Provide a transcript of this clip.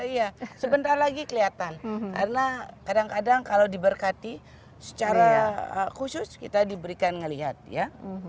iya sebentar lagi kelihatan karena kadang kadang kalau diberkati secara khusus kita diberikan melihat ya